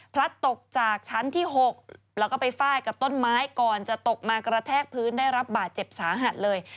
พลัดตกจากชั้นที่๖แล้วก็ไปฟาดกับต้นไม้ก่อนจะตกมากระแทกพื้นได้รับบาดเจ็บสาหัสเลย